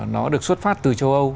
nó được xuất phát từ châu âu